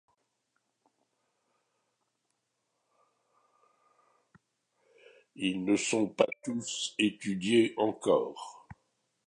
Ils ne sont pas tous étudiés encore.